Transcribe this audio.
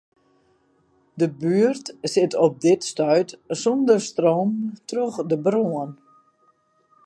De buert sit op dit stuit sûnder stroom troch de brân.